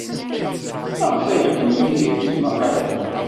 Maɣef ay yeqqen Yidir tismaqqalin?